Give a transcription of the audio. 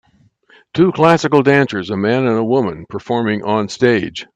Two classical dancers, a man and a woman, performing on stage.